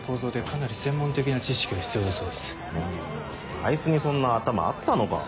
あいつにそんな頭あったのか？